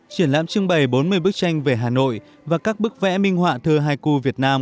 triển lãm trưng bày bốn mươi bức tranh về hà nội và các bức vẽ minh họa thơ haiku việt nam